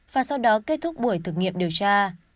và sau đó kết thúc buổi thực nghiệm điều tra